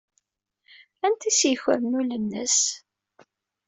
Anta ay as-yukren ul-nnes?